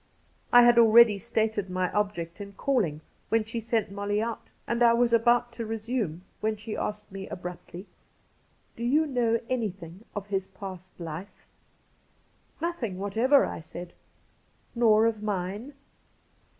I had already stated my object in calling when she sent Molly out, and I was about to resume, when she asked me abruptly :' Do you know anything of his past life V ' Nothing whatever,' I said. 'Nor of mine?'